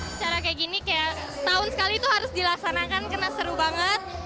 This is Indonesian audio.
secara kayak gini kayak setahun sekali itu harus dilaksanakan karena seru banget